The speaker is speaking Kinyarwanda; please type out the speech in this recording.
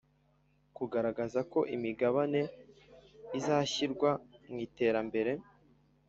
kugaragaza ko imigabane izashyirwa mu iterambere